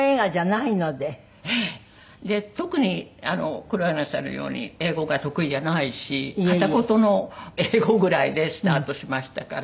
特に黒柳さんのように英語が得意じゃないし片言の英語ぐらいでスタートしましたから。